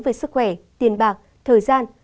về sức khỏe tiền bạc thời gian